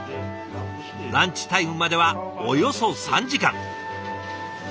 ランチタイムまではおよそ３時間。